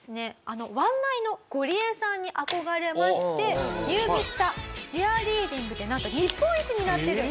あの『ワンナイ』のゴリエさんに憧れまして入部したチアリーディングでなんと日本一になってる。